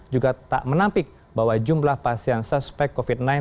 juga tak menampik bahwa jumlah pasien suspek covid sembilan belas